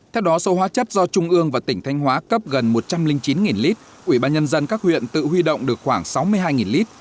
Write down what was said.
theo đó sâu hóa chất do trung ương và tỉnh thanh hóa cấp gần một trăm linh chín lít ủy ban nhân dân các huyện tự huy động được khoảng sáu mươi hai lít